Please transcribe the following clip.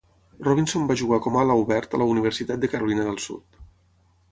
Robinson va jugar com ala obert a la Universitat de Carolina del Sud.